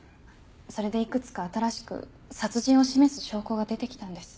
それでいくつか新しく殺人を示す証拠が出て来たんです。